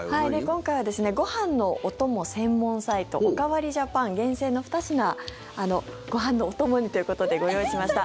今回はご飯のお供専門サイトおかわりＪＡＰＡＮ厳選の２品ご飯のお供にということでご用意しました。